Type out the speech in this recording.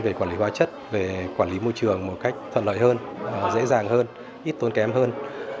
về quản lý hóa chất về quản lý môi trường một cách thuận lợi hơn dễ dàng hơn ít tốn kém hơn